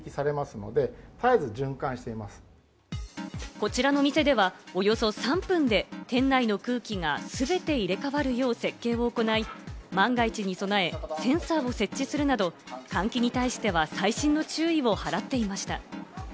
こちらの店ではおよそ３分で店内の空気がすべて入れ替わるよう設計を行い、万が一に備えセンサーを設置するなど、換気に対しては細心の注意をはらっていました。